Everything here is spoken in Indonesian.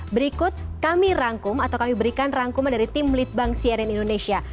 berikut kami rangkum atau kami berikan rangkuman dari tim litbang cnn indonesia